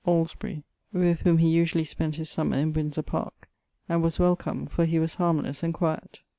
Alesbery with whome he vsually spent his sumer in Windesor park, and was welcom, for he was harmless and quet.